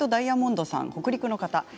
北陸の方です。